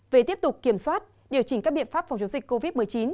về tiếp tục kiểm soát điều chỉnh các biện pháp phòng chống dịch covid một mươi chín